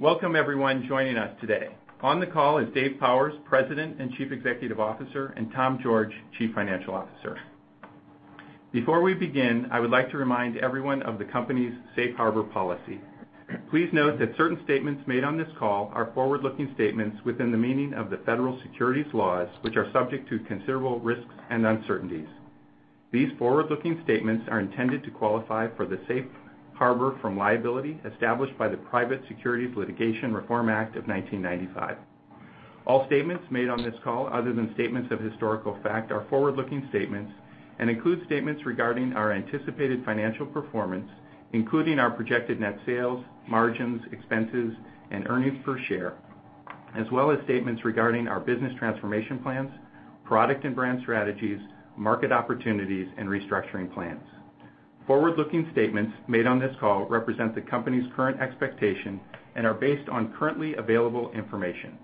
Welcome, everyone joining us today. On the call is Dave Powers, President and Chief Executive Officer, and Tom George, Chief Financial Officer. Before we begin, I would like to remind everyone of the company's safe harbor policy. Please note that certain statements made on this call are forward-looking statements within the meaning of the Federal Securities laws, which are subject to considerable risks and uncertainties. These forward-looking statements are intended to qualify for the safe harbor from liability established by the Private Securities Litigation Reform Act of 1995. All statements made on this call, other than statements of historical fact, are forward-looking statements and include statements regarding our anticipated financial performance, including our projected net sales, margins, expenses, and earnings per share, as well as statements regarding our business transformation plans, product and brand strategies, market opportunities, and restructuring plans. Forward-looking statements made on this call represent the company's current expectation and are based on currently available information.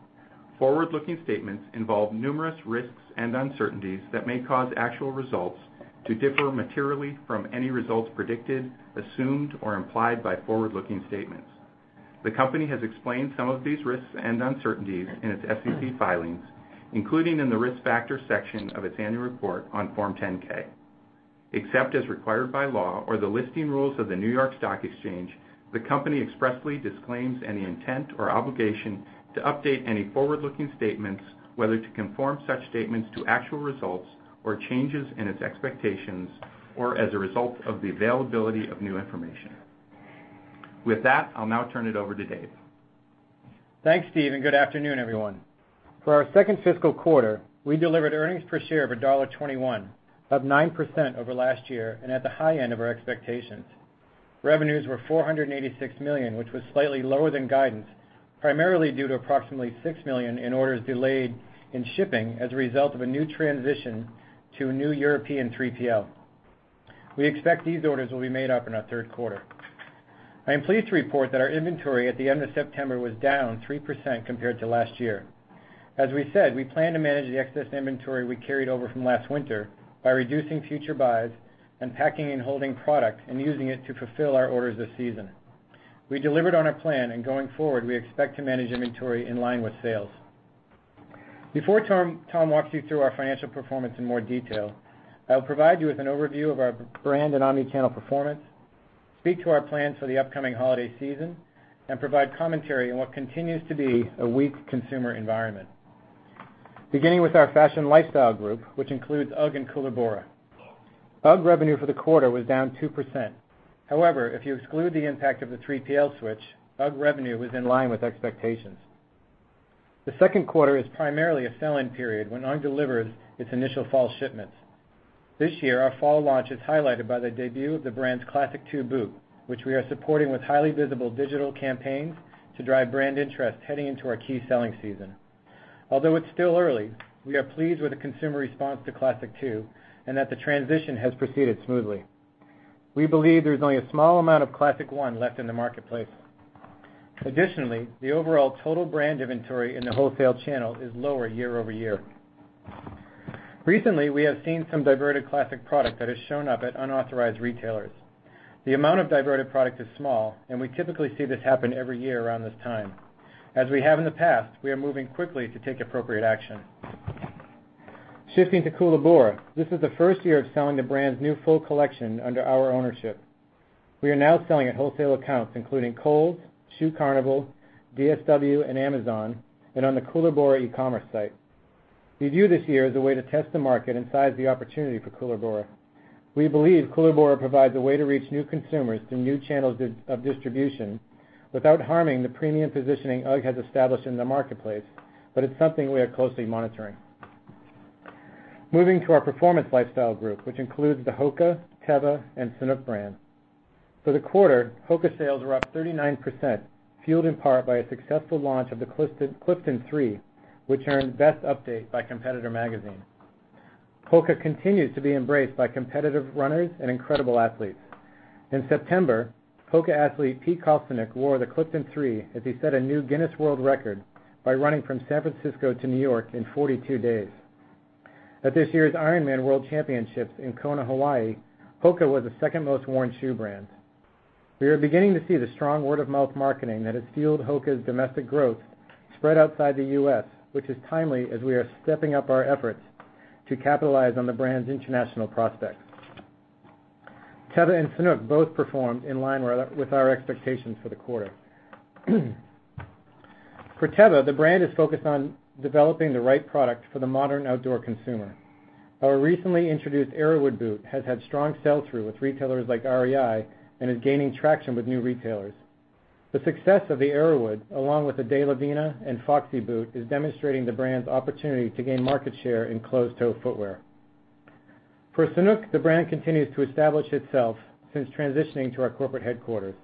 Forward-looking statements involve numerous risks and uncertainties that may cause actual results to differ materially from any results predicted, assumed, or implied by forward-looking statements. The company has explained some of these risks and uncertainties in its SEC filings, including in the Risk Factors section of its annual report on Form 10-K. Except as required by law or the listing rules of the New York Stock Exchange, the company expressly disclaims any intent or obligation to update any forward-looking statements, whether to conform such statements to actual results or changes in its expectations or as a result of the availability of new information. With that, I'll now turn it over to Dave. Thanks, Steve, and good afternoon, everyone. For our second fiscal quarter, we delivered earnings per share of $1.21, up 9% over last year, and at the high end of our expectations. Revenues were $486 million, which was slightly lower than guidance, primarily due to approximately $6 million in orders delayed in shipping as a result of a new transition to a new European 3PL. We expect these orders will be made up in our third quarter. I am pleased to report that our inventory at the end of September was down 3% compared to last year. As we said, we plan to manage the excess inventory we carried over from last winter by reducing future buys and packing and holding product and using it to fulfill our orders this season. We delivered on our plan, and going forward, we expect to manage inventory in line with sales. Before Tom walks you through our financial performance in more detail, I'll provide you with an overview of our brand and omni-channel performance, speak to our plans for the upcoming holiday season, and provide commentary on what continues to be a weak consumer environment. Beginning with our fashion lifestyle group, which includes UGG and Koolaburra. UGG revenue for the quarter was down 2%. However, if you exclude the impact of the 3PL switch, UGG revenue was in line with expectations. The second quarter is primarily a sell-in period when UGG delivers its initial fall shipments. This year, our fall launch is highlighted by the debut of the brand's Classic II boot, which we are supporting with highly visible digital campaigns to drive brand interest heading into our key selling season. Although it's still early, we are pleased with the consumer response to Classic II and that the transition has proceeded smoothly. We believe there's only a small amount of Classic I left in the marketplace. Additionally, the overall total brand inventory in the wholesale channel is lower year-over-year. Recently, we have seen some diverted Classic product that has shown up at unauthorized retailers. The amount of diverted product is small, and we typically see this happen every year around this time. As we have in the past, we are moving quickly to take appropriate action. Shifting to Koolaburra, this is the first year of selling the brand's new full collection under our ownership. We are now selling at wholesale accounts, including Kohl's, Shoe Carnival, DSW, and Amazon, and on the Koolaburra e-commerce site. We view this year as a way to test the market and size the opportunity for Koolaburra. We believe Koolaburra provides a way to reach new consumers through new channels of distribution without harming the premium positioning UGG has established in the marketplace, but it's something we are closely monitoring. Moving to our performance lifestyle group, which includes the HOKA, Teva, and Sanuk brands. For the quarter, HOKA sales were up 39%, fueled in part by a successful launch of the Clifton 3, which earned Best Update by Competitor Magazine. HOKA continues to be embraced by competitive runners and incredible athletes. In September, HOKA athlete Pete Kostelnick wore the Clifton 3 as he set a new Guinness World Record by running from San Francisco to New York in 42 days. At this year's IRONMAN World Championship in Kona, Hawaii, HOKA was the second-most-worn shoe brand. We are beginning to see the strong word-of-mouth marketing that has fueled HOKA's domestic growth spread outside the U.S., which is timely as we are stepping up our efforts to capitalize on the brand's international prospects. Teva and Sanuk both performed in line with our expectations for the quarter. For Teva, the brand is focused on developing the right product for the modern outdoor consumer. Our recently introduced Arrowood boot has had strong sell-through with retailers like REI and is gaining traction with new retailers. The success of the Arrowood, along with the De La Vina and Foxy boot, is demonstrating the brand's opportunity to gain market share in closed-toe footwear. For Sanuk, the brand continues to establish itself since transitioning to our corporate headquarters.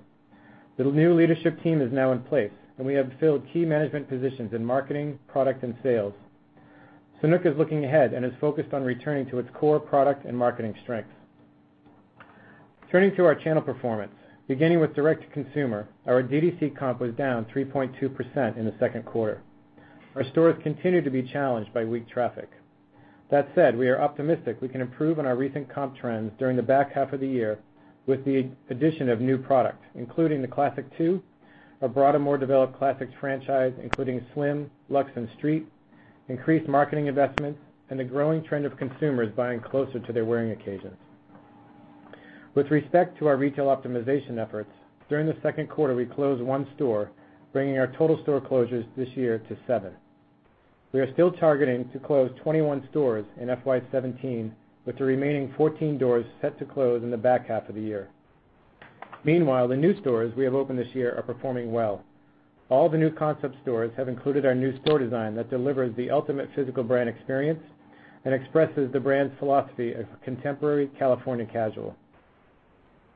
The new leadership team is now in place, and we have filled key management positions in marketing, product, and sales. Sanuk is looking ahead and is focused on returning to its core product and marketing strengths. Turning to our channel performance. Beginning with direct-to-consumer, our D2C comp was down 3.2% in the second quarter. Our stores continue to be challenged by weak traffic. That said, we are optimistic we can improve on our recent comp trends during the back half of the year with the addition of new product, including the Classic II, a broader, more developed Classics franchise, including Slim, Luxe, and Street, increased marketing investments, and the growing trend of consumers buying closer to their wearing occasions. With respect to our retail optimization efforts, during the second quarter, we closed one store, bringing our total store closures this year to seven. We are still targeting to close 21 stores in FY 2017, with the remaining 14 doors set to close in the back half of the year. Meanwhile, the new stores we have opened this year are performing well. All the new concept stores have included our new store design that delivers the ultimate physical brand experience and expresses the brand's philosophy of contemporary California casual.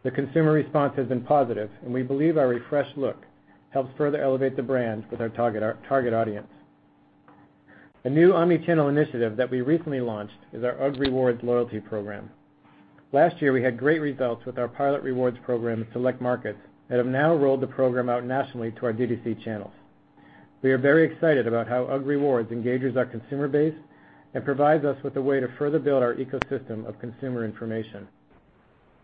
The consumer response has been positive, and we believe our refreshed look helps further elevate the brand with our target audience. A new omni-channel initiative that we recently launched is our UGG Rewards loyalty program. Last year, we had great results with our pilot rewards program in select markets that have now rolled the program out nationally to our D2C channels. We are very excited about how UGG Rewards engages our consumer base and provides us with a way to further build our ecosystem of consumer information.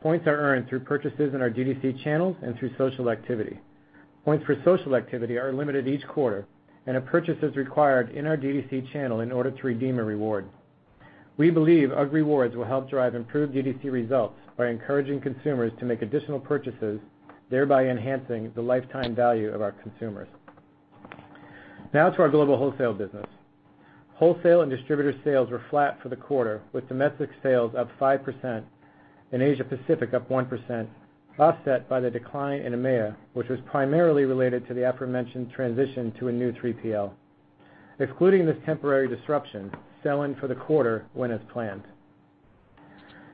Points are earned through purchases in our D2C channels and through social activity. Points for social activity are limited each quarter, and a purchase is required in our D2C channel in order to redeem a reward. We believe UGG Rewards will help drive improved D2C results by encouraging consumers to make additional purchases, thereby enhancing the lifetime value of our consumers. Now to our global wholesale business. Wholesale and distributor sales were flat for the quarter, with domestic sales up 5% and Asia Pacific up 1%, offset by the decline in EMEA, which was primarily related to the aforementioned transition to a new 3PL. Excluding this temporary disruption, sell-in for the quarter went as planned.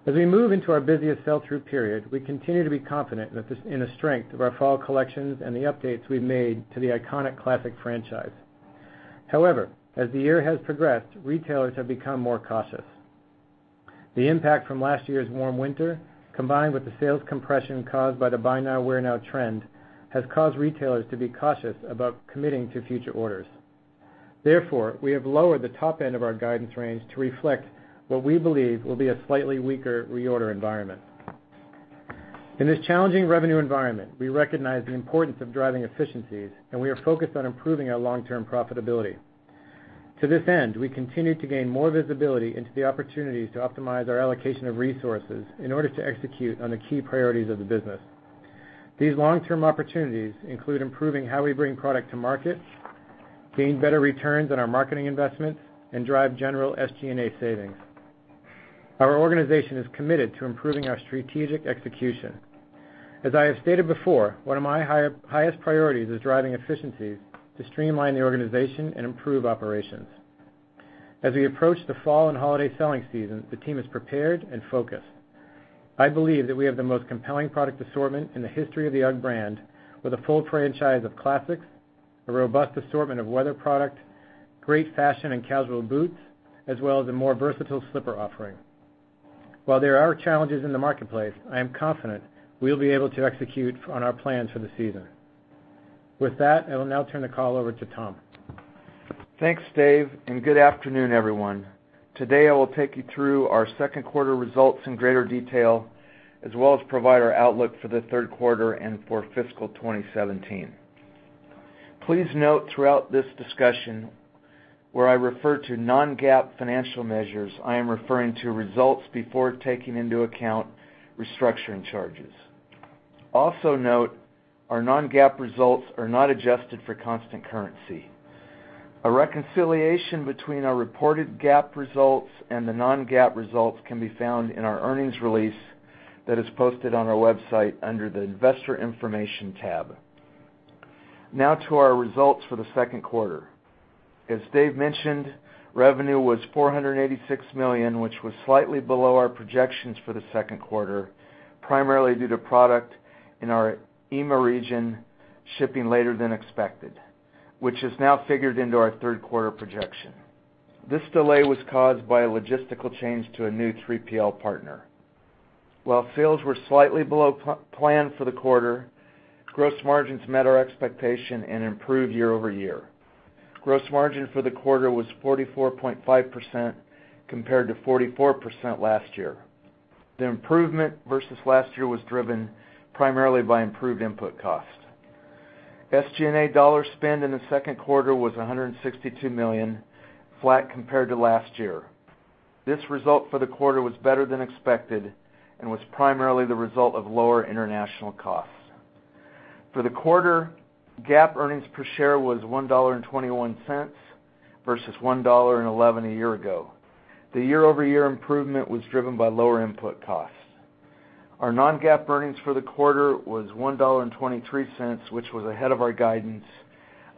As we move into our busiest sell-through period, we continue to be confident in the strength of our fall collections and the updates we've made to the iconic Classic franchise. However, as the year has progressed, retailers have become more cautious. The impact from last year's warm winter, combined with the sales compression caused by the buy now, wear now trend, has caused retailers to be cautious about committing to future orders. Therefore, we have lowered the top end of our guidance range to reflect what we believe will be a slightly weaker reorder environment. In this challenging revenue environment, we recognize the importance of driving efficiencies, and we are focused on improving our long-term profitability. To this end, we continue to gain more visibility into the opportunities to optimize our allocation of resources in order to execute on the key priorities of the business. These long-term opportunities include improving how we bring product to market, gain better returns on our marketing investments, and drive general SG&A savings. Our organization is committed to improving our strategic execution. As I have stated before, one of my highest priorities is driving efficiencies to streamline the organization and improve operations. As we approach the fall and holiday selling season, the team is prepared and focused. I believe that we have the most compelling product assortment in the history of the UGG brand, with a full franchise of classics, a robust assortment of weather product, great fashion and casual boots, as well as a more versatile slipper offering. While there are challenges in the marketplace, I am confident we will be able to execute on our plans for the season. With that, I will now turn the call over to Tom. Thanks, Dave. Good afternoon, everyone. Today, I will take you through our second quarter results in greater detail, as well as provide our outlook for the third quarter and for fiscal 2017. Please note throughout this discussion, where I refer to non-GAAP financial measures, I am referring to results before taking into account restructuring charges. Also note our non-GAAP results are not adjusted for constant currency. A reconciliation between our reported GAAP results and the non-GAAP results can be found in our earnings release that is posted on our website under the Investor Information tab. Now to our results for the second quarter. As Dave mentioned, revenue was $486 million, which was slightly below our projections for the second quarter, primarily due to product in our EMEA region shipping later than expected, which is now figured into our third quarter projection. This delay was caused by a logistical change to a new 3PL partner. While sales were slightly below plan for the quarter, gross margins met our expectation and improved year-over-year. Gross margin for the quarter was 44.5% compared to 44% last year. The improvement versus last year was driven primarily by improved input costs. SG&A dollar spend in the second quarter was $162 million, flat compared to last year. This result for the quarter was better than expected and was primarily the result of lower international costs. For the quarter, GAAP earnings per share was $1.21 versus $1.11 a year ago. The year-over-year improvement was driven by lower input costs. Our non-GAAP earnings for the quarter was $1.23, which was ahead of our guidance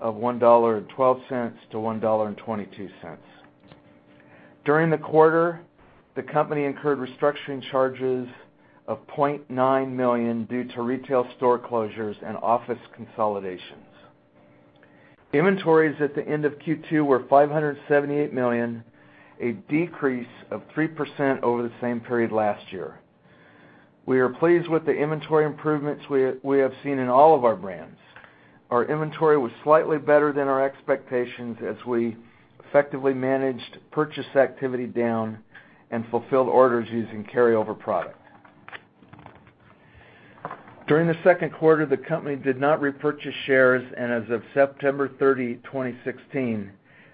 of $1.12 to $1.22. During the quarter, the company incurred restructuring charges of $0.9 million due to retail store closures and office consolidations. Inventories at the end of Q2 were $578 million, a decrease of 3% over the same period last year. We are pleased with the inventory improvements we have seen in all of our brands. Our inventory was slightly better than our expectations as we effectively managed purchase activity down and fulfilled orders using carryover product. During the second quarter, the company did not repurchase shares, and as of September 30, 2016,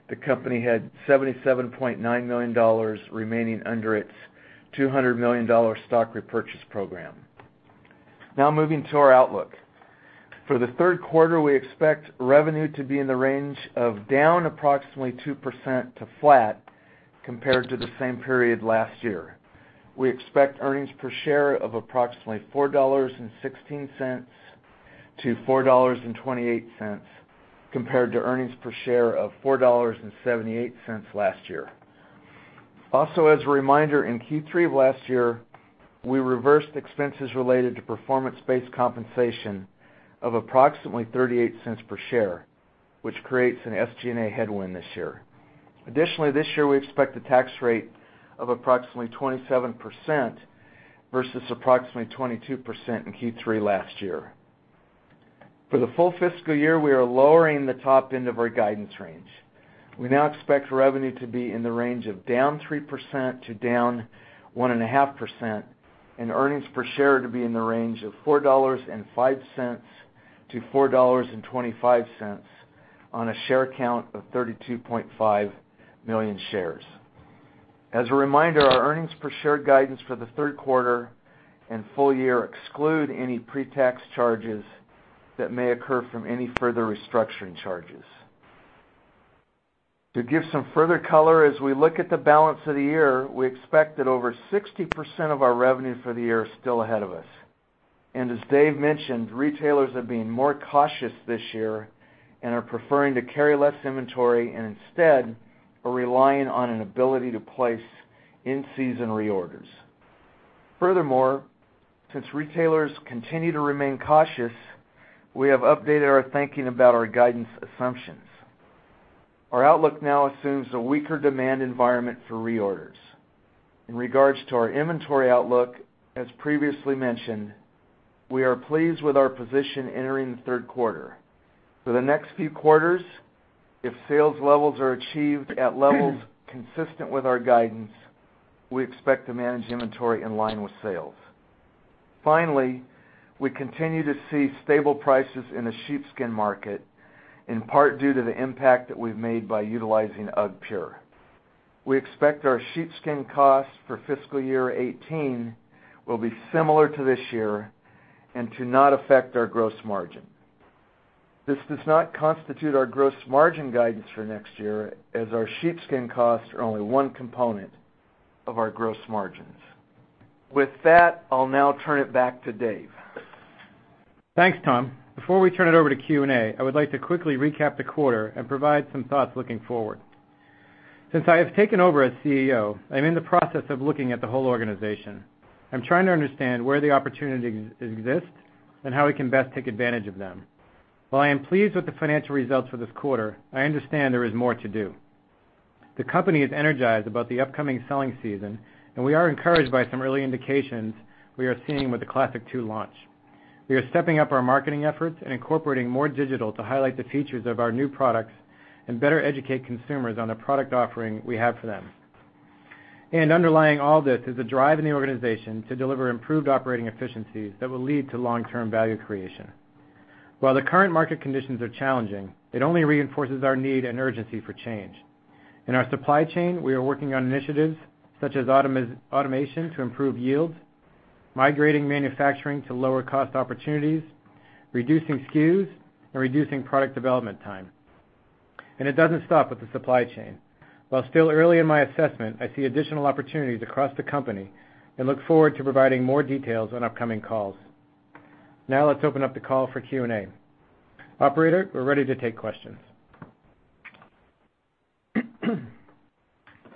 the company had $77.9 million remaining under its $200 million stock repurchase program. Now moving to our outlook. For the third quarter, we expect revenue to be in the range of down approximately 2% to flat compared to the same period last year. We expect earnings per share of approximately $4.16 to $4.28, compared to earnings per share of $4.78 last year. As a reminder, in Q3 of last year, we reversed expenses related to performance-based compensation of approximately $0.38 per share, which creates an SG&A headwind this year. Additionally, this year, we expect a tax rate of approximately 27% versus approximately 22% in Q3 last year. For the full fiscal year, we are lowering the top end of our guidance range. We now expect revenue to be in the range of down 3% to down 1.5% and earnings per share to be in the range of $4.05 to $4.25 on a share count of 32.5 million shares. As a reminder, our earnings per share guidance for the third quarter and full year exclude any pre-tax charges that may occur from any further restructuring charges. To give some further color, as we look at the balance of the year, we expect that over 60% of our revenue for the year is still ahead of us. As Dave mentioned, retailers are being more cautious this year and are preferring to carry less inventory and instead are relying on an ability to place in-season reorders. Furthermore, since retailers continue to remain cautious, we have updated our thinking about our guidance assumptions. Our outlook now assumes a weaker demand environment for reorders. In regards to our inventory outlook, as previously mentioned, we are pleased with our position entering the third quarter. For the next few quarters, if sales levels are achieved at levels consistent with our guidance, we expect to manage inventory in line with sales. Finally, we continue to see stable prices in the sheepskin market, in part due to the impact that we've made by utilizing UGGpure. We expect our sheepskin costs for fiscal year 2018 will be similar to this year and to not affect our gross margin. This does not constitute our gross margin guidance for next year, as our sheepskin costs are only one component of our gross margins. With that, I'll now turn it back to Dave. Thanks, Tom. Before we turn it over to Q&A, I would like to quickly recap the quarter and provide some thoughts looking forward. Since I have taken over as CEO, I'm in the process of looking at the whole organization. I'm trying to understand where the opportunities exist and how we can best take advantage of them. While I am pleased with the financial results for this quarter, I understand there is more to do. The company is energized about the upcoming selling season. We are encouraged by some early indications we are seeing with the Classic II launch. We are stepping up our marketing efforts and incorporating more digital to highlight the features of our new products and better educate consumers on the product offering we have for them. Underlying all this is the drive in the organization to deliver improved operating efficiencies that will lead to long-term value creation. While the current market conditions are challenging, it only reinforces our need and urgency for change. In our supply chain, we are working on initiatives such as automation to improve yields, migrating manufacturing to lower-cost opportunities, reducing SKUs, and reducing product development time. It doesn't stop with the supply chain. While still early in my assessment, I see additional opportunities across the company and look forward to providing more details on upcoming calls. Let's open up the call for Q&A. Operator, we're ready to take questions.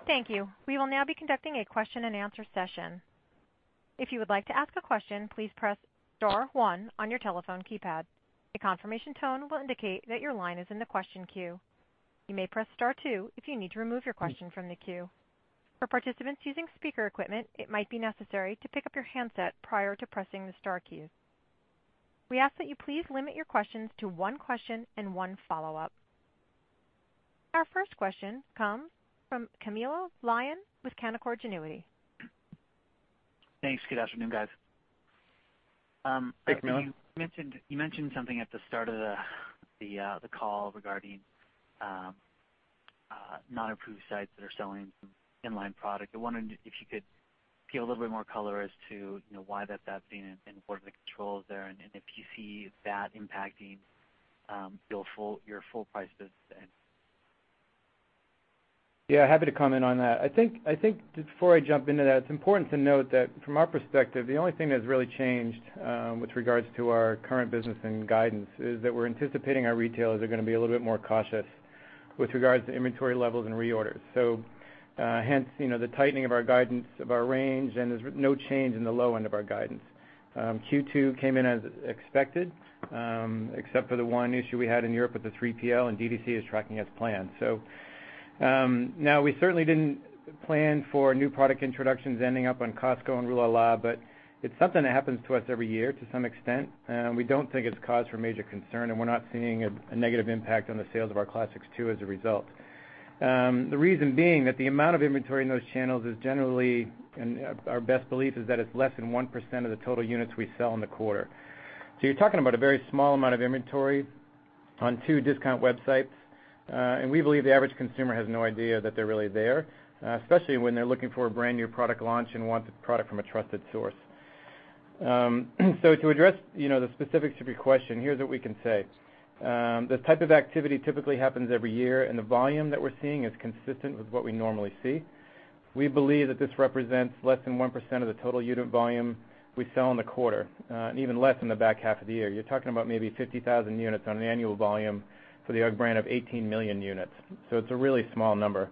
Thank you. We will now be conducting a question-and-answer session. If you would like to ask a question, please press star one on your telephone keypad. A confirmation tone will indicate that your line is in the question queue. You may press star two if you need to remove your question from the queue. For participants using speaker equipment, it might be necessary to pick up your handset prior to pressing the star key. We ask that you please limit your questions to one question and one follow-up. Our first question comes from Camilo Lyon with Canaccord Genuity. Thanks. Good afternoon, guys. Thanks, Camilo. You mentioned something at the start of the call regarding non-approved sites that are selling some inline product. I wondered if you could give a little bit more color as to why that's being in important, the controls there, and if you see that impacting your full price business. Yeah, happy to comment on that. I think before I jump into that, it's important to note that from our perspective, the only thing that's really changed with regards to our current business and guidance is that we're anticipating our retailers are going to be a little bit more cautious with regards to inventory levels and reorders. Hence, the tightening of our guidance of our range, and there's no change in the low end of our guidance. Q2 came in as expected, except for the one issue we had in Europe with the 3PL, and DTC is tracking as planned. Now, we certainly didn't plan for new product introductions ending up on Costco and Rue La La, but it's something that happens to us every year to some extent. We don't think it's cause for major concern, and we're not seeing a negative impact on the sales of our Classic II as a result. The reason being that the amount of inventory in those channels is generally, our best belief is that it's less than 1% of the total units we sell in the quarter. You're talking about a very small amount of inventory on two discount websites. We believe the average consumer has no idea that they're really there, especially when they're looking for a brand-new product launch and want the product from a trusted source. To address the specifics of your question, here's what we can say. This type of activity typically happens every year, and the volume that we're seeing is consistent with what we normally see. We believe that this represents less than 1% of the total unit volume we sell in the quarter, and even less in the back half of the year. You're talking about maybe 50,000 units on an annual volume for the UGG brand of 18 million units. It's a really small number.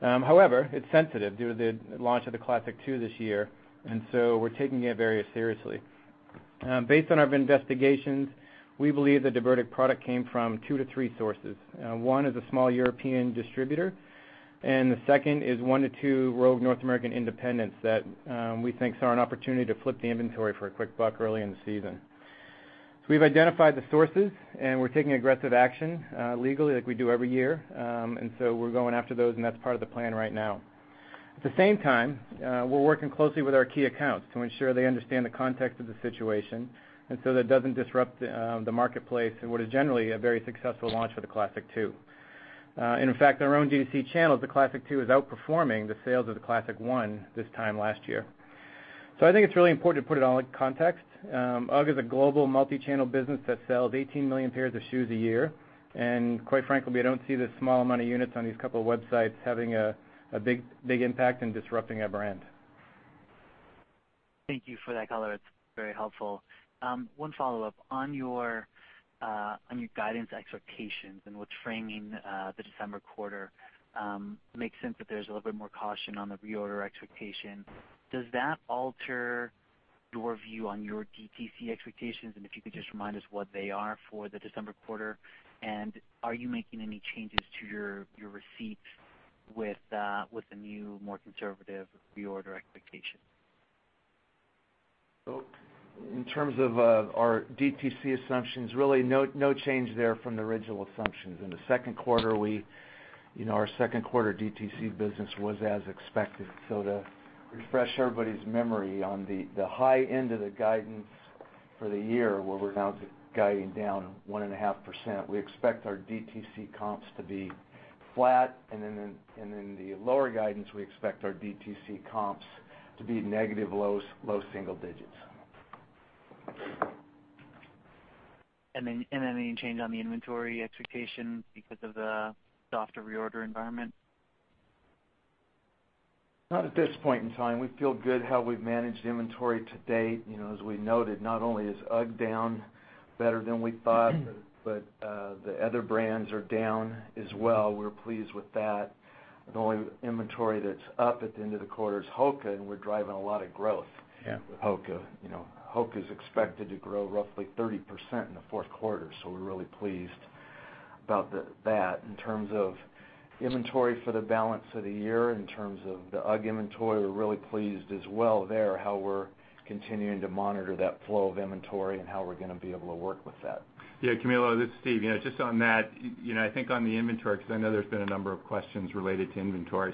However, it's sensitive due to the launch of the Classic II this year, we're taking it very seriously. Based on our investigations, we believe the diverted product came from two to three sources. One is a small European distributor, and the second is one to two rogue North American independents that we think saw an opportunity to flip the inventory for a quick buck early in the season. We've identified the sources, and we're taking aggressive action legally, like we do every year. We're going after those, and that's part of the plan right now. At the same time, we're working closely with our key accounts to ensure they understand the context of the situation, that it doesn't disrupt the marketplace in what is generally a very successful launch for the Classic II. In fact, in our own DTC channels, the Classic II is outperforming the sales of the Classic I this time last year. I think it's really important to put it all in context. UGG is a global multi-channel business that sells 18 million pairs of shoes a year. Quite frankly, we don't see this small amount of units on these couple of websites having a big impact in disrupting our brand. Thank you for that color. It's very helpful. One follow-up. On your guidance expectations and what's framing the December quarter, makes sense that there's a little bit more caution on the reorder expectation. Does that alter your view on your DTC expectations? If you could just remind us what they are for the December quarter, and are you making any changes to your receipts with the new, more conservative reorder expectation? In terms of our DTC assumptions, really no change there from the original assumptions. In the second quarter, our second quarter DTC business was as expected. To refresh everybody's memory on the high end of the guidance for the year, where we're now guiding down 1.5%, we expect our DTC comps to be flat. In the lower guidance, we expect our DTC comps to be negative low single digits. Any change on the inventory expectation because of the softer reorder environment? Not at this point in time. We feel good how we've managed inventory to date. As we noted, not only is UGG down better than we thought, but the other brands are down as well. We're pleased with that. The only inventory that's up at the end of the quarter is HOKA, and we're driving a lot of growth. Yeah with HOKA. HOKA's expected to grow roughly 30% in the fourth quarter, so we're really pleased about that. In terms of inventory for the balance of the year, in terms of the UGG inventory, we're really pleased as well there, how we're continuing to monitor that flow of inventory and how we're going to be able to work with that. Yeah, Camilo, this is Steve. Just on that, I think on the inventory, because I know there's been a number of questions related to inventory.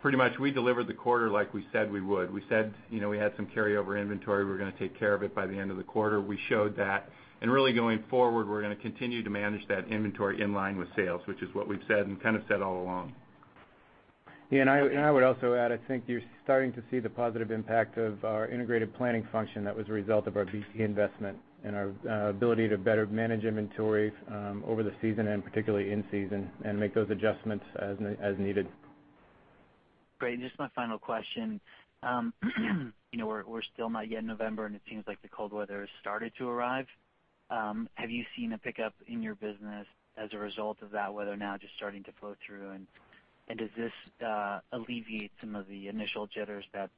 Pretty much we delivered the quarter like we said we would. We said we had some carryover inventory. We were going to take care of it by the end of the quarter. We showed that. Really going forward, we're going to continue to manage that inventory in line with sales, which is what we've said and kind of said all along. Yeah, I would also add, I think you're starting to see the positive impact of our integrated planning function that was a result of our BP investment and our ability to better manage inventory over the season and particularly in season, and make those adjustments as needed. Great. Just my final question. We're still not yet November, it seems like the cold weather has started to arrive. Have you seen a pickup in your business as a result of that weather now just starting to flow through? Does this alleviate some of the initial jitters that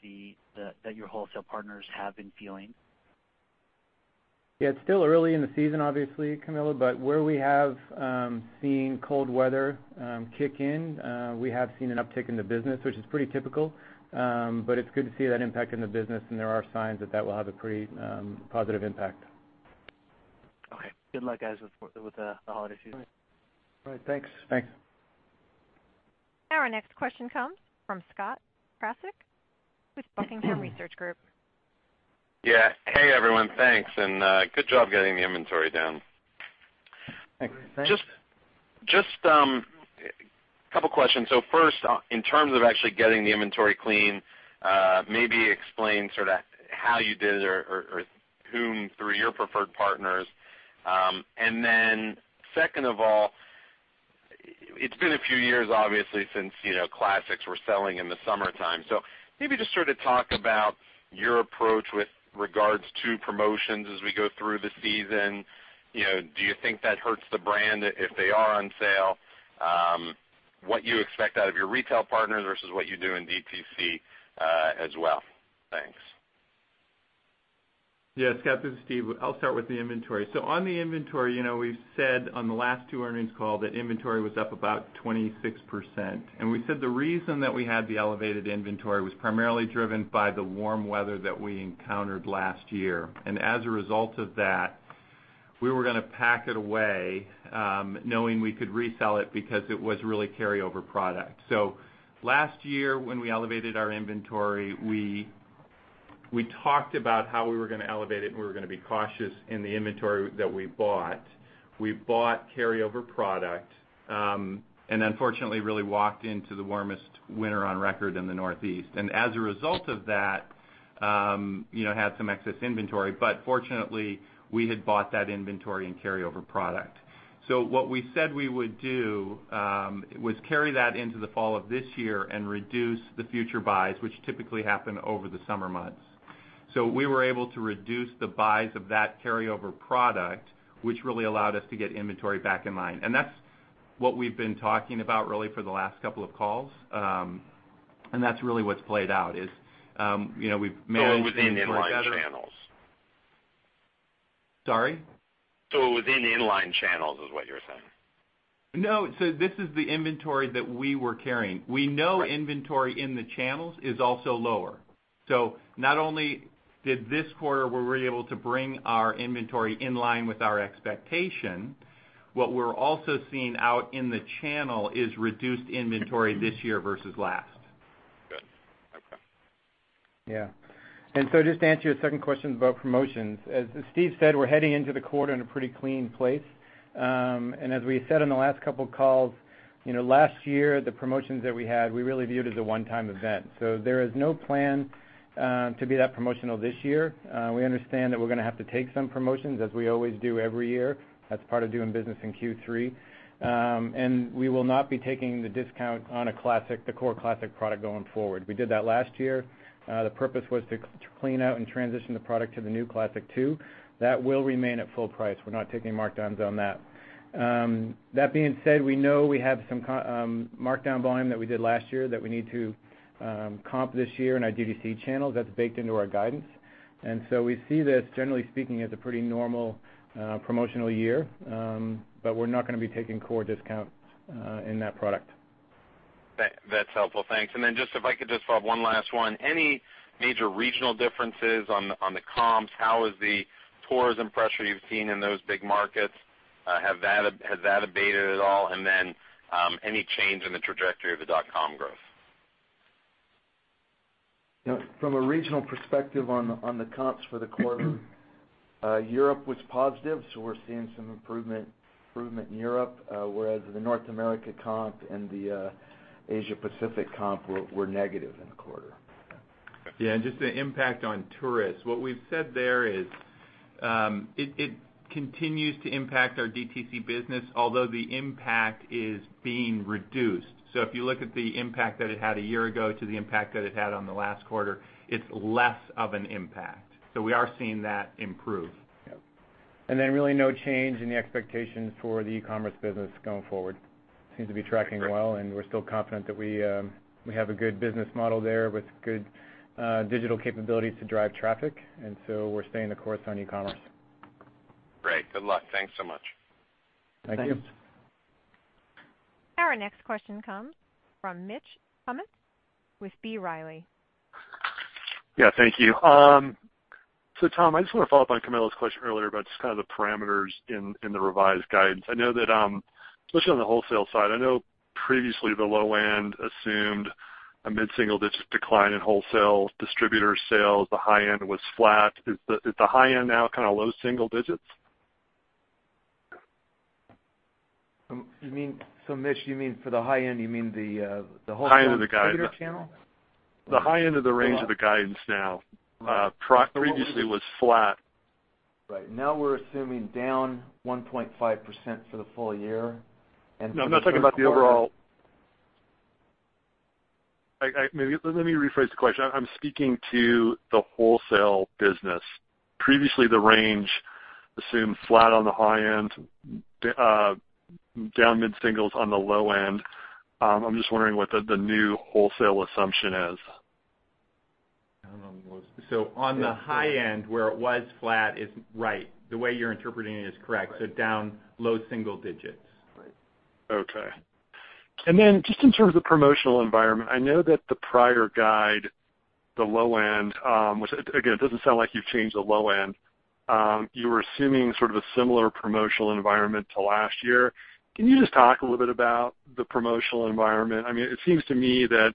your wholesale partners have been feeling? Yeah, it's still early in the season, obviously, Camilo. Where we have seen cold weather kick in, we have seen an uptick in the business, which is pretty typical. It's good to see that impact in the business, and there are signs that that will have a pretty positive impact. Okay. Good luck, guys, with the holiday season. All right. Thanks. Thanks. Our next question comes from Scott Krasik with Buckingham Research Group. Yeah. Hey, everyone. Thanks. Good job getting the inventory down. Thanks. Thanks. Just a couple questions. First, in terms of actually getting the inventory clean, maybe explain sort of how you did it or whom through your preferred partners. Second of all, it's been a few years, obviously, since Classics were selling in the summertime. Maybe just sort of talk about your approach with regards to promotions as we go through the season. Do you think that hurts the brand if they are on sale? What you expect out of your retail partners versus what you do in DTC as well. Thanks. Yeah, Scott, this is Steve. I'll start with the inventory. On the inventory, we've said on the last two earnings call that inventory was up about 26%. We said the reason that we had the elevated inventory was primarily driven by the warm weather that we encountered last year. As a result of that, we were going to pack it away, knowing we could resell it because it was really carryover product. Last year, when we elevated our inventory, we talked about how we were going to elevate it and we were going to be cautious in the inventory that we bought. We bought carryover product, unfortunately, really walked into the warmest winter on record in the Northeast. As a result of that, had some excess inventory. Fortunately, we had bought that inventory and carryover product. What we said we would do was carry that into the fall of this year and reduce the future buys, which typically happen over the summer months. We were able to reduce the buys of that carryover product, which really allowed us to get inventory back in line. That's what we've been talking about really for the last couple of calls. That's really what's played out is. Within in-line channels? Sorry? Within in-line channels is what you're saying? No. This is the inventory that we were carrying. We know inventory in the channels is also lower. Not only did this quarter were we able to bring our inventory in line with our expectation, what we're also seeing out in the channel is reduced inventory this year versus last. Good. Okay. Yeah. Just to answer your second question about promotions, as Steve said, we're heading into the quarter in a pretty clean place. As we said on the last couple of calls, last year, the promotions that we had, we really viewed as a one-time event. There is no plan to be that promotional this year. We understand that we're going to have to take some promotions as we always do every year. That's part of doing business in Q3. We will not be taking the discount on a Classic, the core Classic product going forward. We did that last year. The purpose was to clean out and transition the product to the new Classic II. That will remain at full price. We're not taking markdowns on that. That being said, we know we have some markdown volume that we did last year that we need to comp this year in our DTC channels. That's baked into our guidance. We see this, generally speaking, as a pretty normal promotional year. We're not going to be taking core discounts in that product. That's helpful. Thanks. Just if I could just follow up one last one. Any major regional differences on the comps? How is the tourism pressure you've seen in those big markets? Has that abated at all? Any change in the trajectory of the .com growth? From a regional perspective on the comps for the quarter, Europe was positive, we're seeing some improvement in Europe, whereas the North America comp and the Asia Pacific comp were negative in the quarter. Just the impact on tourists. What we've said there is, it continues to impact our DTC business, although the impact is being reduced. If you look at the impact that it had a year ago to the impact that it had on the last quarter, it's less of an impact. We are seeing that improve. Yep. Really no change in the expectations for the e-commerce business going forward. Seems to be tracking well, we're still confident that we have a good business model there with good digital capabilities to drive traffic. We're staying the course on e-commerce. Great. Good luck. Thanks so much. Thank you. Thanks. Our next question comes from Mitch Kummetz with B. Riley. Yeah, thank you. Tom, I just want to follow up on Camilo's question earlier about just kind of the parameters in the revised guidance. I know that, especially on the wholesale side, I know previously the low end assumed a mid-single-digit decline in wholesale distributor sales. The high end was flat. Is the high end now kind of low single digits? Mitch, you mean for the high end, you mean the wholesale distributor channel? The high end of the guidance. The high end of the range of the guidance now. Previously was flat. Right. Now we're assuming down 1.5% for the full year. For the third quarter. No. Let me rephrase the question. I'm speaking to the wholesale business. Previously, the range assumed flat on the high end, down mid-singles on the low end. I'm just wondering what the new wholesale assumption is. On the high end where it was flat is right. The way you're interpreting it is correct. Down low single digits. Right. Okay. Just in terms of promotional environment, I know that the prior guide, the low end, which again, it doesn't sound like you've changed the low end, you were assuming sort of a similar promotional environment to last year. Can you just talk a little bit about the promotional environment? I mean, it seems to me that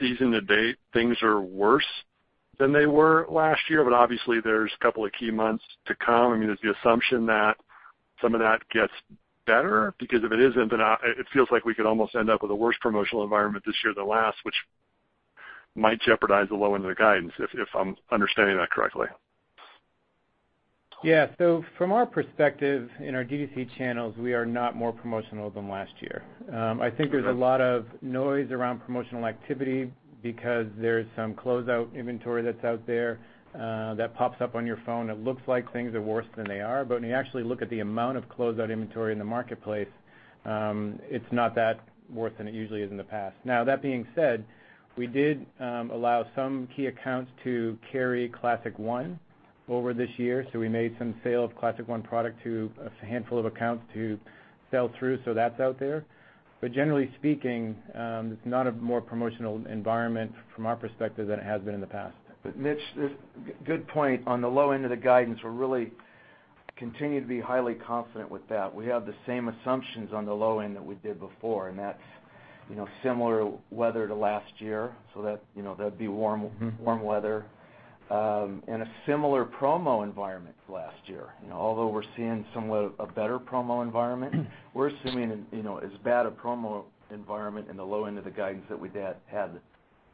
season to date, things are worse than they were last year, but obviously there's a couple of key months to come. I mean, is the assumption that some of that gets better? Because if it isn't, then it feels like we could almost end up with a worse promotional environment this year than last, which might jeopardize the low end of the guidance, if I'm understanding that correctly. From our perspective, in our DTC channels, we are not more promotional than last year. I think there's a lot of noise around promotional activity because there's some closeout inventory that's out there that pops up on your phone. It looks like things are worse than they are, but when you actually look at the amount of closeout inventory in the marketplace, it's not that worse than it usually is in the past. That being said, we did allow some key accounts to carry Classic I over this year. We made some sale of Classic I product to a handful of accounts to sell through, so that's out there. Generally speaking, it's not a more promotional environment from our perspective than it has been in the past. Mitch, good point. On the low end of the guidance, we really continue to be highly confident with that. We have the same assumptions on the low end that we did before, and that's similar weather to last year. That'd be warm weather, and a similar promo environment to last year. Although we're seeing somewhat of a better promo environment, we're assuming as bad a promo environment in the low end of the guidance that we'd had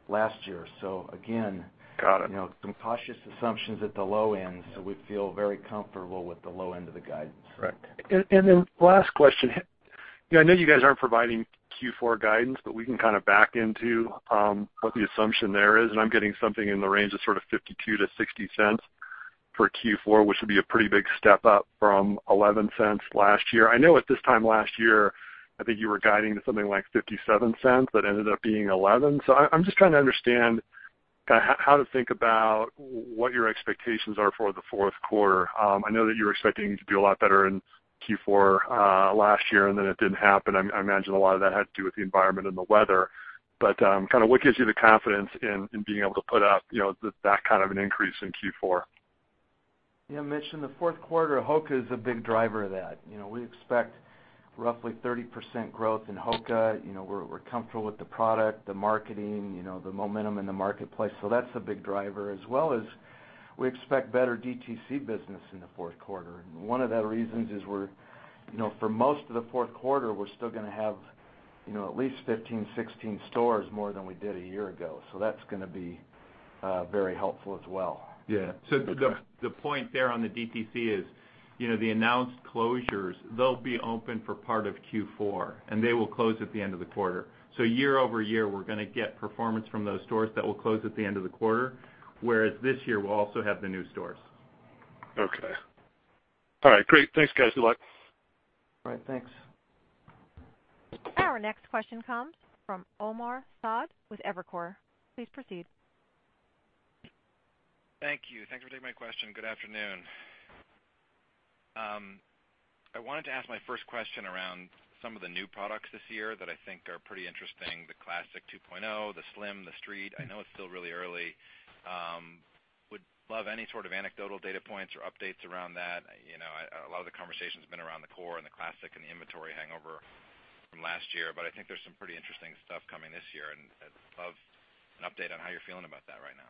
last year. Again. Got it. Some cautious assumptions at the low end. We feel very comfortable with the low end of the guidance. Correct. Last question. I know you guys aren't providing Q4 guidance, we can kind of back into what the assumption there is, I'm getting something in the range of sort of $0.52-$0.60 for Q4, which would be a pretty big step up from $0.11 last year. I know at this time last year, I think you were guiding to something like $0.57, but ended up being $0.11. I'm just trying to understand kind of how to think about what your expectations are for the fourth quarter. I know that you were expecting to be a lot better in Q4 last year, it didn't happen. I imagine a lot of that had to do with the environment and the weather, kind of what gives you the confidence in being able to put up that kind of an increase in Q4? Mitch. In the fourth quarter, HOKA is a big driver of that. We expect roughly 30% growth in HOKA. We're comfortable with the product, the marketing, the momentum in the marketplace. That's a big driver as well as we expect better DTC business in the fourth quarter. One of the reasons is for most of the fourth quarter, we're still going to have at least 15, 16 stores more than we did a year ago. That's going to be very helpful as well. Yeah. The point there on the DTC is the announced closures, they'll be open for part of Q4, they will close at the end of the quarter. Year-over-year, we're going to get performance from those stores that will close at the end of the quarter, whereas this year, we'll also have the new stores. Okay. All right. Great. Thanks, guys. Good luck. All right. Thanks. Our next question comes from Omar Saad with Evercore. Please proceed. Thank you. Thanks for taking my question. Good afternoon. I wanted to ask my first question around some of the new products this year that I think are pretty interesting, the Classic II, the Slim, the Street. I know it's still really early. Would love any sort of anecdotal data points or updates around that. A lot of the conversation's been around the core and the Classic and the inventory hangover from last year. I think there's some pretty interesting stuff coming this year, and I'd love an update on how you're feeling about that right now.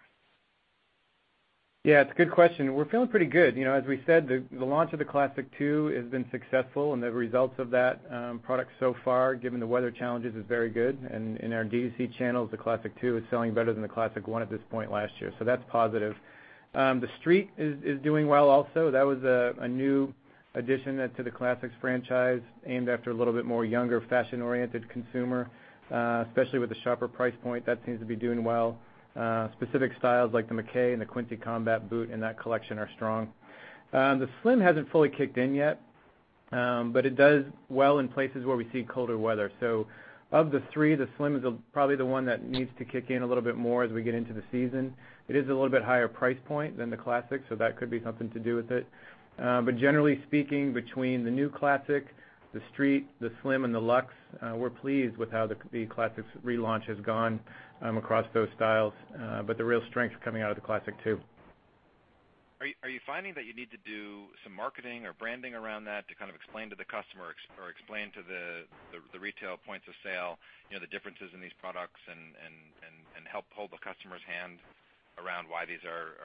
Yeah, it's a good question. We're feeling pretty good. As we said, the launch of the Classic II has been successful, and the results of that product so far, given the weather challenges, is very good. In our DTC channels, the Classic II is selling better than the Classic I at this point last year. That's positive. The Street is doing well also. That was a new addition to the Classics franchise aimed after a little bit more younger, fashion-oriented consumer, especially with the sharper price point. That seems to be doing well. Specific styles like the McKay and the Quincy Combat Boot in that collection are strong. The Slim hasn't fully kicked in yet. It does well in places where we see colder weather. Of the three, the Slim is probably the one that needs to kick in a little bit more as we get into the season. It is a little bit higher price point than the Classic, so that could be something to do with it. Generally speaking, between the new Classic, the Street, the Slim and the Luxe, we're pleased with how the Classic's relaunch has gone across those styles. The real strength is coming out of the Classic II. Are you finding that you need to do some marketing or branding around that to kind of explain to the customer or explain to the retail points of sale the differences in these products and help hold the customer's hand around why these are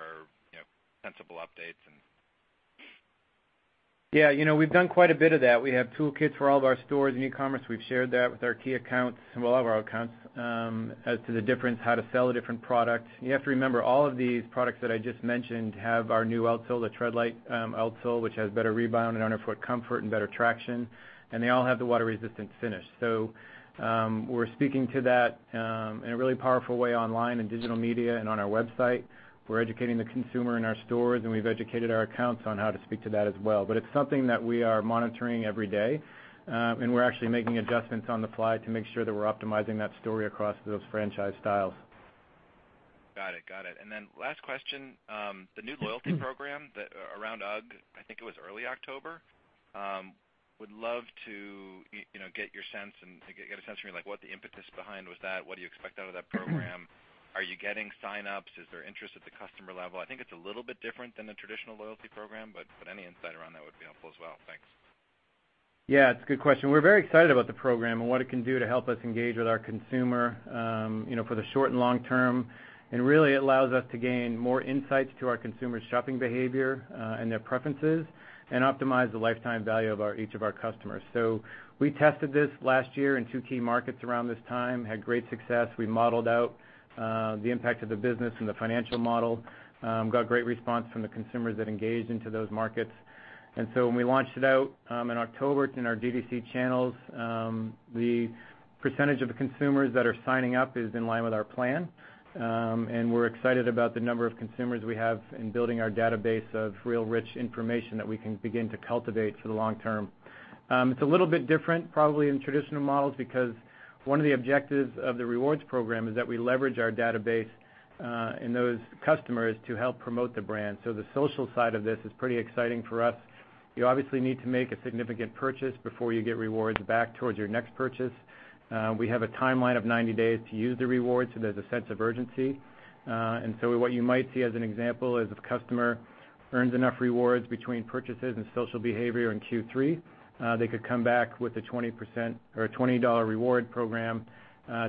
sensible updates? Yeah. We've done quite a bit of that. We have toolkits for all of our stores and e-commerce. We've shared that with our key accounts, and all of our accounts, as to the difference, how to sell a different product. You have to remember, all of these products that I just mentioned have our new outsole, the Treadlite outsole, which has better rebound and underfoot comfort and better traction, and they all have the water-resistant finish. We're speaking to that in a really powerful way online, in digital media, and on our website. We're educating the consumer in our stores, and we've educated our accounts on how to speak to that as well. It's something that we are monitoring every day, and we're actually making adjustments on the fly to make sure that we're optimizing that story across those franchise styles. Got it. Last question. The new loyalty program around UGG, I think it was early October. Would love to get your sense and get a sense from you, what the impetus behind was that? What do you expect out of that program? Are you getting sign-ups? Is there interest at the customer level? I think it's a little bit different than the traditional loyalty program. Any insight around that would be helpful as well. Thanks. Yeah, it's a good question. We're very excited about the program and what it can do to help us engage with our consumer, for the short and long term. Really, it allows us to gain more insights to our consumers' shopping behavior and their preferences and optimize the lifetime value of each of our customers. We tested this last year in two key markets around this time, had great success. We modeled out the impact of the business and the financial model, got great response from the consumers that engaged into those markets. When we launched it out in October in our DTC channels, the percentage of the consumers that are signing up is in line with our plan. We're excited about the number of consumers we have in building our database of real rich information that we can begin to cultivate for the long term. It's a little bit different, probably in traditional models, because one of the objectives of the rewards program is that we leverage our database and those customers to help promote the brand. The social side of this is pretty exciting for us. You obviously need to make a significant purchase before you get rewards back towards your next purchase. We have a timeline of 90 days to use the rewards. There's a sense of urgency. What you might see as an example is if a customer earns enough rewards between purchases and social behavior in Q3, they could come back with a 20% or a $20 reward program,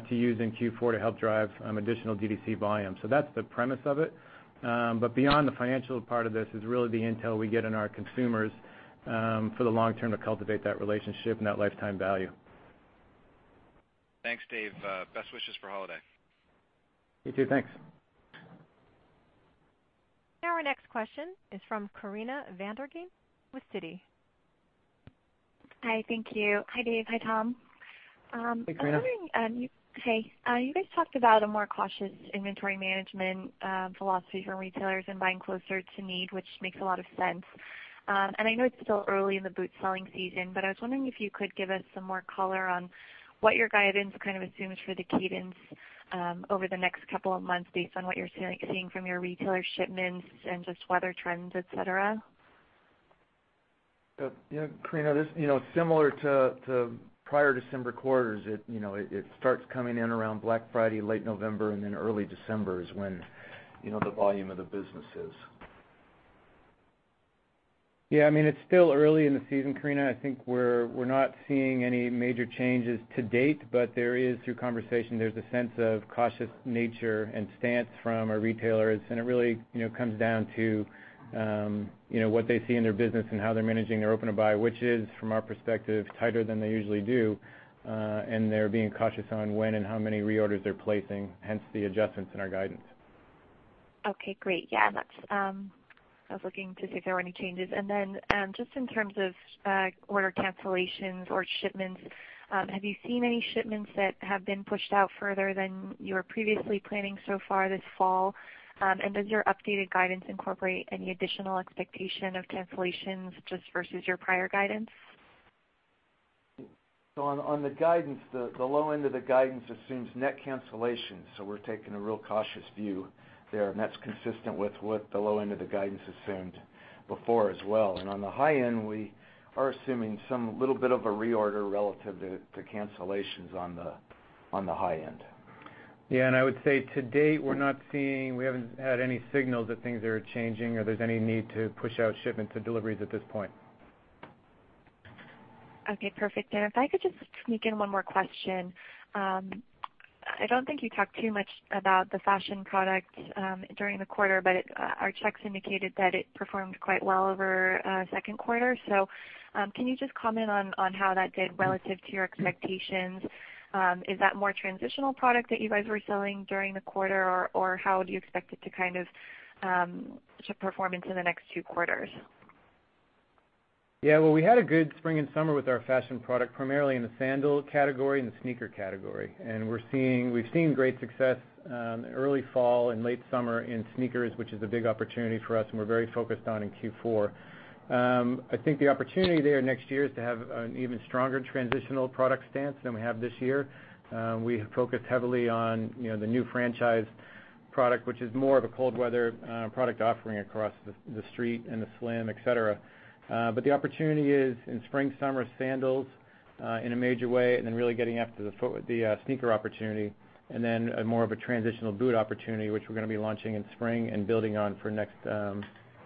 to use in Q4 to help drive additional DTC volume. That's the premise of it. Beyond the financial part of this is really the intel we get on our consumers, for the long term to cultivate that relationship and that lifetime value. Thanks, Dave. Best wishes for holiday. You too. Thanks. Our next question is from Corinna Van der Ghinst with Citi. Hi, thank you. Hi, Dave. Hi, Tom. Hey, Corinna. Hey. You guys talked about a more cautious inventory management philosophy for retailers and buying closer to need, which makes a lot of sense. I know it's still early in the boot-selling season, but I was wondering if you could give us some more color on what your guidance kind of assumes for the cadence over the next couple of months based on what you're seeing from your retailer shipments and just weather trends, et cetera. Yeah, Corinna, similar to prior December quarters, it starts coming in around Black Friday, late November, and then early December is when the volume of the business is. Yeah. It's still early in the season, Corinna. I think we're not seeing any major changes to date, but through conversation, there's a sense of cautious nature and stance from our retailers, and it really comes down to what they see in their business and how they're managing their open-to-buy, which is, from our perspective, tighter than they usually do. They're being cautious on when and how many reorders they're placing, hence the adjustments in our guidance. Okay, great. I was looking to see if there were any changes. Just in terms of order cancellations or shipments, have you seen any shipments that have been pushed out further than you were previously planning so far this fall? Does your updated guidance incorporate any additional expectation of cancellations just versus your prior guidance? On the guidance, the low end of the guidance assumes net cancellations. We're taking a real cautious view there, that's consistent with what the low end of the guidance assumed before as well. On the high end, we are assuming some little bit of a reorder relative to cancellations on the high end. I would say to date, we haven't had any signals that things are changing or there's any need to push out shipment to deliveries at this point. Okay, perfect. If I could just sneak in one more question. I don't think you talked too much about the fashion product during the quarter, but our checks indicated that it performed quite well over second quarter. Can you just comment on how that did relative to your expectations? Is that more transitional product that you guys were selling during the quarter, or how do you expect it to perform into the next two quarters? Well, we had a good spring and summer with our fashion product, primarily in the sandal category and the sneaker category. We've seen great success in early fall and late summer in sneakers, which is a big opportunity for us and we're very focused on in Q4. I think the opportunity there next year is to have an even stronger transitional product stance than we have this year. We have focused heavily on the new franchise product, which is more of a cold weather product offering across the Street and the Slim, et cetera. The opportunity is in spring, summer sandals in a major way, and then really getting after the sneaker opportunity and then more of a transitional boot opportunity, which we're going to be launching in spring and building on for next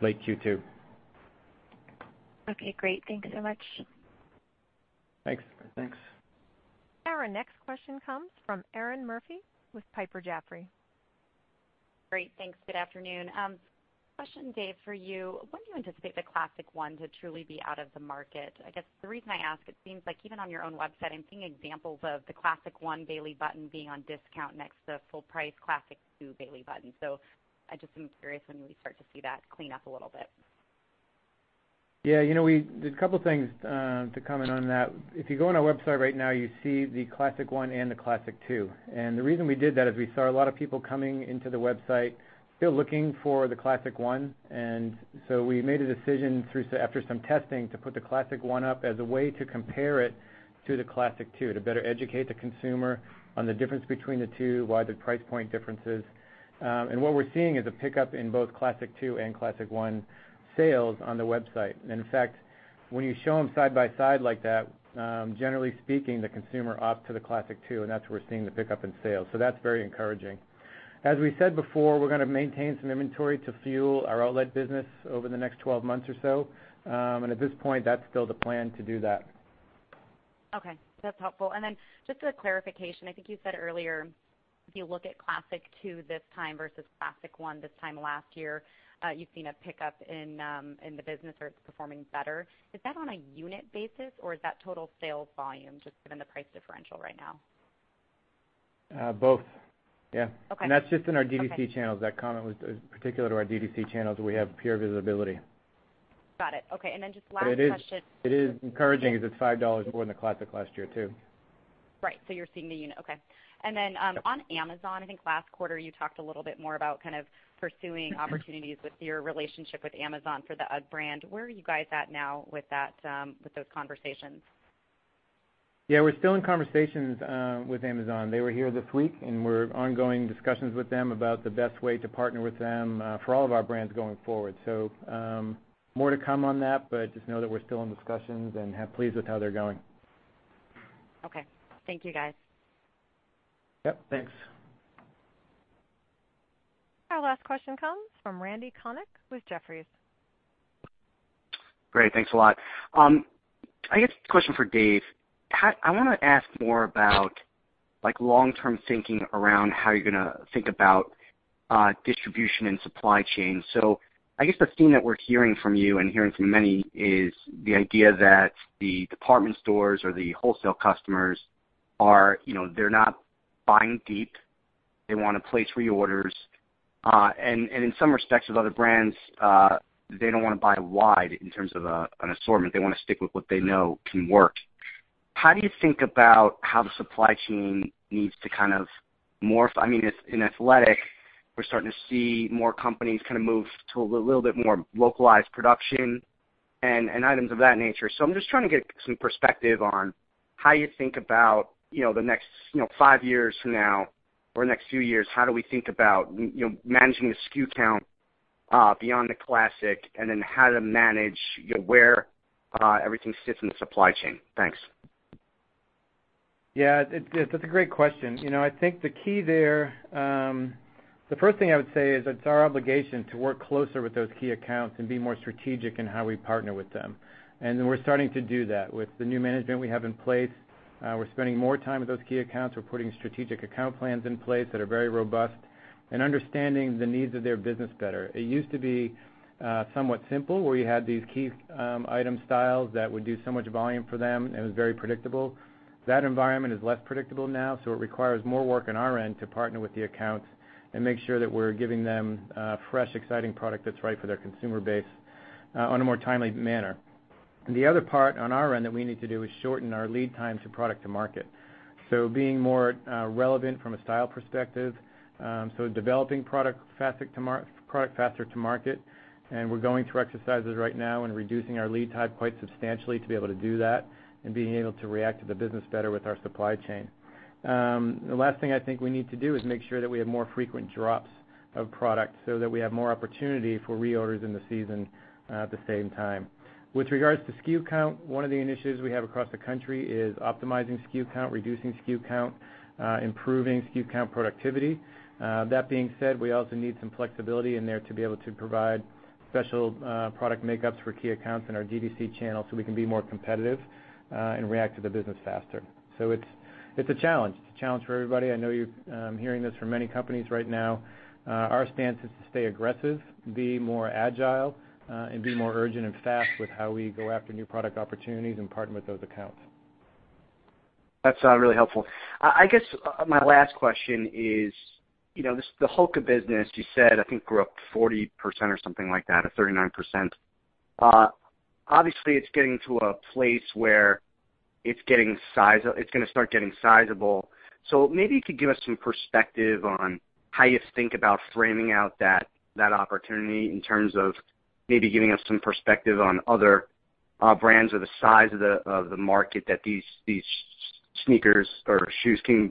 late Q2. Okay, great. Thank you so much. Thanks. Thanks. Our next question comes from Erinn Murphy with Piper Jaffray. Great. Thanks. Good afternoon. Question, Dave, for you. When do you anticipate the Classic I to truly be out of the market? I guess the reason I ask, it seems like even on your own website, I'm seeing examples of the Classic I Bailey Button being on discount next to the full price Classic II Bailey Button. I just am curious when we start to see that clean up a little bit. There's a couple of things to comment on that. If you go on our website right now, you see the Classic I and the Classic II. The reason we did that is we saw a lot of people coming into the website still looking for the Classic I. We made a decision after some testing to put the Classic I up as a way to compare it to the Classic II, to better educate the consumer on the difference between the two, why the price point difference is. What we're seeing is a pickup in both Classic II and Classic I sales on the website. In fact, when you show them side by side like that, generally speaking, the consumer opts to the Classic II, and that's where we're seeing the pickup in sales. That's very encouraging. As we said before, we're going to maintain some inventory to fuel our outlet business over the next 12 months or so. At this point, that's still the plan to do that. That's helpful. Just a clarification, I think you said earlier, if you look at Classic II this time versus Classic I this time last year, you've seen a pickup in the business or it's performing better. Is that on a unit basis or is that total sales volume just given the price differential right now? Both. Okay. That's just in our DTC channels. That comment was particular to our DTC channels, where we have pure visibility. Got it. Okay. Just last question- It is encouraging because it's $5 more than the Classic last year too. Right. You're seeing the unit. Okay. On Amazon, I think last quarter you talked a little bit more about pursuing opportunities with your relationship with Amazon for the UGG brand. Where are you guys at now with those conversations? Yeah, we're still in conversations with Amazon. They were here this week, and we're ongoing discussions with them about the best way to partner with them for all of our brands going forward. More to come on that, but just know that we're still in discussions and pleased with how they're going. Okay. Thank you, guys. Yep. Thanks. Our last question comes from Randy Konik with Jefferies. Great. Thanks a lot. I guess a question for Dave. I want to ask more about long-term thinking around how you're going to think about distribution and supply chain. I guess the theme that we're hearing from you and hearing from many is the idea that the department stores or the wholesale customers, they're not buying deep. They want to place reorders. In some respects with other brands, they don't want to buy wide in terms of an assortment. They want to stick with what they know can work. How do you think about how the supply chain needs to morph? In athletic, we're starting to see more companies move to a little bit more localized production and items of that nature. I'm just trying to get some perspective on how you think about the next 5 years from now or next few years. How do we think about managing the SKU count beyond the Classic, then how to manage where everything sits in the supply chain? Thanks. Yeah. That's a great question. I think the first thing I would say is it's our obligation to work closer with those key accounts and be more strategic in how we partner with them. Then we're starting to do that. With the new management we have in place, we're spending more time with those key accounts. We're putting strategic account plans in place that are very robust and understanding the needs of their business better. It used to be somewhat simple, where you had these key item styles that would do so much volume for them, and it was very predictable. That environment is less predictable now, it requires more work on our end to partner with the accounts and make sure that we're giving them fresh, exciting product that's right for their consumer base on a more timely manner. The other part on our end that we need to do is shorten our lead times for product to market. Being more relevant from a style perspective. Developing product faster to market, and we're going through exercises right now and reducing our lead time quite substantially to be able to do that and being able to react to the business better with our supply chain. The last thing I think we need to do is make sure that we have more frequent drops of product so that we have more opportunity for reorders in the season at the same time. With regards to SKU count, one of the initiatives we have across the country is optimizing SKU count, reducing SKU count, improving SKU count productivity. That being said, we also need some flexibility in there to be able to provide special product makeups for key accounts in our DTC channel so we can be more competitive and react to the business faster. It's a challenge. It's a challenge for everybody. I know you're hearing this from many companies right now. Our stance is to stay aggressive, be more agile and be more urgent and fast with how we go after new product opportunities and partner with those accounts. That's really helpful. I guess my last question is, the HOKA business, you said, I think, grew up 40% or something like that, or 39%. Obviously, it's getting to a place where it's going to start getting sizable. Maybe you could give us some perspective on how you think about framing out that opportunity in terms of maybe giving us some perspective on other brands or the size of the market that these sneakers or shoes can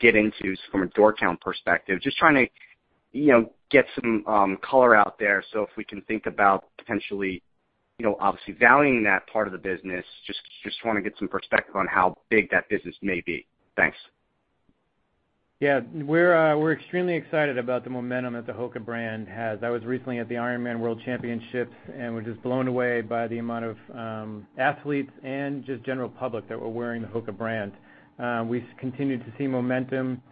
get into from a door count perspective. Just trying to get some color out there. If we can think about potentially, obviously, valuing that part of the business, just want to get some perspective on how big that business may be. Thanks. Yeah. We're extremely excited about the momentum that the HOKA brand has. I was recently at the IRONMAN World Championship, we're just blown away by the amount of athletes and just general public that were wearing the HOKA brand. We've continued to see momentum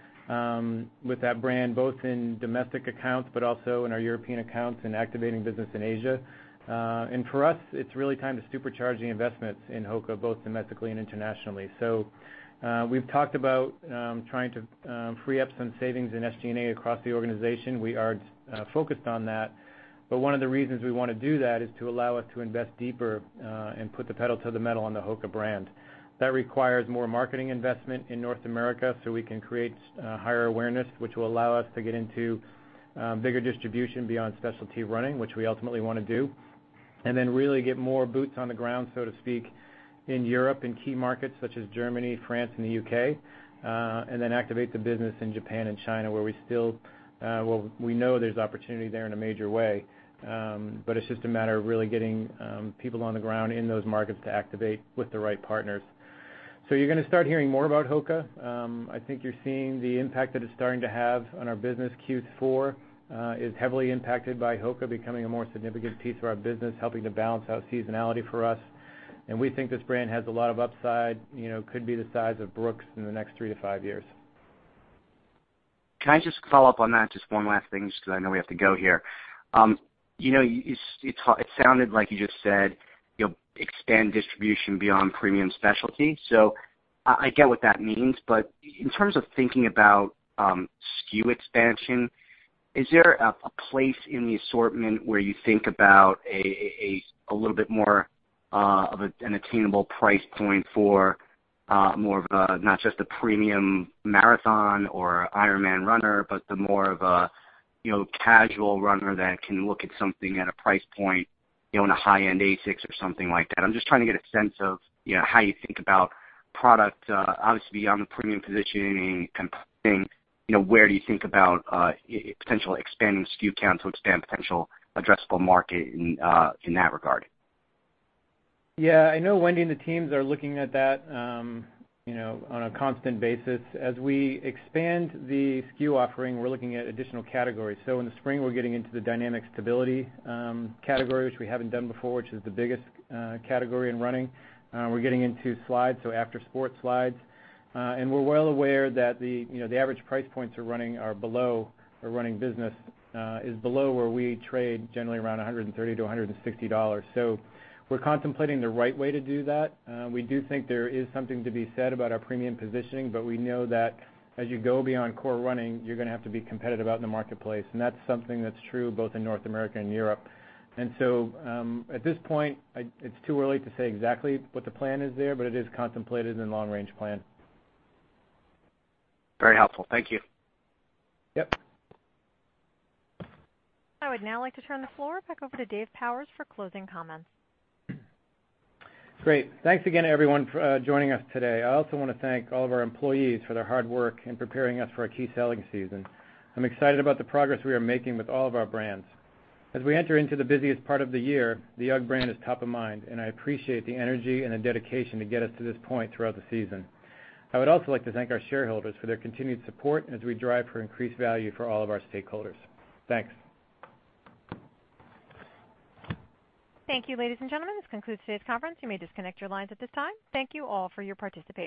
with that brand, both in domestic accounts but also in our European accounts and activating business in Asia. For us, it's really time to supercharge the investments in HOKA, both domestically and internationally. We've talked about trying to free up some savings in SG&A across the organization. We are focused on that. One of the reasons we want to do that is to allow us to invest deeper and put the pedal to the metal on the HOKA brand. That requires more marketing investment in North America so we can create higher awareness, which will allow us to get into bigger distribution beyond specialty running, which we ultimately want to do. Then really get more boots on the ground, so to speak, in Europe, in key markets such as Germany, France, and the U.K., then activate the business in Japan and China, where we know there's opportunity there in a major way. It's just a matter of really getting people on the ground in those markets to activate with the right partners. You're going to start hearing more about HOKA. I think you're seeing the impact that it's starting to have on our business. Q4 is heavily impacted by HOKA becoming a more significant piece of our business, helping to balance out seasonality for us. We think this brand has a lot of upside. Could be the size of Brooks in the next three to five years. Can I just follow up on that? Just one last thing, just because I know we have to go here. It sounded like you just said you'll expand distribution beyond premium specialty. I get what that means. In terms of thinking about SKU expansion, is there a place in the assortment where you think about a little bit more of an attainable price point for more of a, not just a premium marathon or IRONMAN runner, but the more of a casual runner that can look at something at a price point, in a high-end ASICS or something like that. I'm just trying to get a sense of how you think about product, obviously, on the premium positioning kind of thing, where do you think about potential expanding SKU count to expand potential addressable market in that regard? Yeah, I know Wendy and the teams are looking at that on a constant basis. As we expand the SKU offering, we're looking at additional categories. In the spring, we're getting into the dynamic stability category, which we haven't done before, which is the biggest category in running. We're getting into slides, so after sport slides. We're well aware that the average price points are running are below our running business, is below where we trade generally around $130-$160. We're contemplating the right way to do that. We do think there is something to be said about our premium positioning, but we know that as you go beyond core running, you're going to have to be competitive out in the marketplace, and that's something that's true both in North America and Europe. At this point, it's too early to say exactly what the plan is there, but it is contemplated in the long-range plan. Very helpful. Thank you. Yep. I would now like to turn the floor back over to Dave Powers for closing comments. Great. Thanks again, everyone, for joining us today. I also want to thank all of our employees for their hard work in preparing us for a key selling season. I'm excited about the progress we are making with all of our brands. As we enter into the busiest part of the year, the UGG brand is top of mind, and I appreciate the energy and the dedication to get us to this point throughout the season. I would also like to thank our shareholders for their continued support as we drive for increased value for all of our stakeholders. Thanks. Thank you, ladies and gentlemen. This concludes today's conference. You may disconnect your lines at this time. Thank you all for your participation.